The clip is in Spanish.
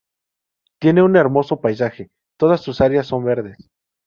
Tiene un hermoso paisaje, todas sus áreas son verdes.